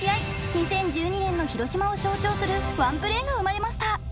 ２０１２年の広島を象徴するワンプレーが生まれました。